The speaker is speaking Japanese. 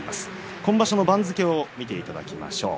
今場所の番付を見ていただきましょう。